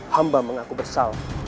hamba mengaku bersalah